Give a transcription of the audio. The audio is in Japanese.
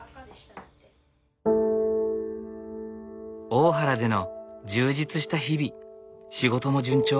大原での充実した日々仕事も順調。